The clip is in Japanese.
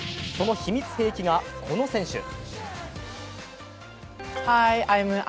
その秘密兵器がこの選手。